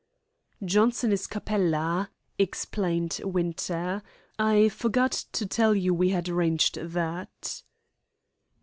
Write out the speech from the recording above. "Johnson is Capella," explained Winter. "I forgot to tell you we had arranged that."